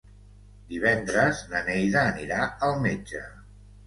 Divendres na Neida anirà al metge.